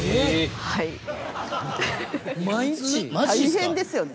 大変ですよね。